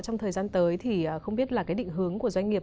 trong thời gian tới thì không biết là cái định hướng của doanh nghiệp